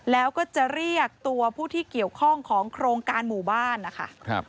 แล้วก็จะเรียกตัวผู้ที่เกี่ยวข้องของโครงการหมู่บ้านนะคะ